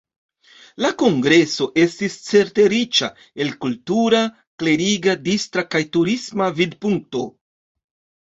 La kongreso estis certe riĉa, el kultura, kleriga, distra kaj turisma vidpunkto.